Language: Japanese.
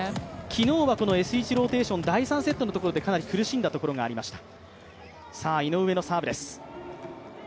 昨日はこのＳ１ローテーション、第３セットのところでかなり苦しんだところがありました。